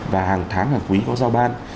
và hàng tháng hàng quý của giao ban